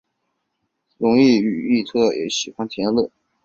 荣子与义持也喜欢田乐。